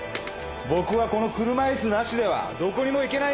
僕はこの車椅子なしではどこにも行けない人間なんですよ！